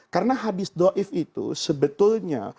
karena hadis do'if itu sebetulnya